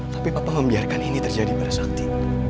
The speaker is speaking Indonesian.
tapi papa membiarkan ini terjadi pada santi